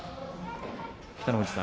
北の富士さん